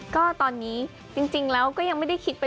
ก็ตอนนี้จริงแล้วก็ยังไม่ได้คิดไป